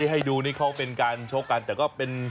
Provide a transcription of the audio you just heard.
ให้ดูนี่เขาเป็นการชกกันแต่ก็เป็น